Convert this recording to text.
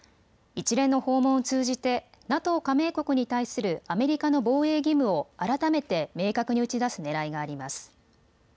一連の訪問を通じてＮＡＴＯ加盟国に対するアメリカの防衛義務を改めて明確に打ち出すねらいがあります。